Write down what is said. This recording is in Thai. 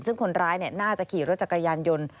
ซึ่งคนร้ายน่าจะขี่รถจักรยานยนต์